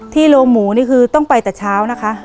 โรงหมูนี่คือต้องไปแต่เช้านะคะ